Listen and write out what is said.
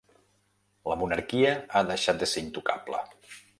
La monarquia ha deixat de ser intocable.